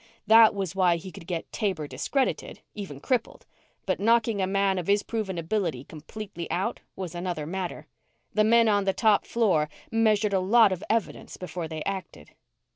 That was why he could get Taber discredited, even crippled. But knocking a man of his proven ability completely out was another matter. The men on the top floor measured a lot of evidence before they acted.